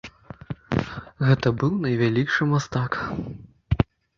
Гэта быў найвялікшы мастак.